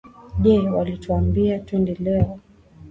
Je, walituambia twende leo?